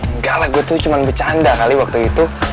enggak lah gue tuh cuma bercanda kali waktu itu